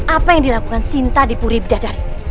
apa yang dilakukan sinta di puri bidadari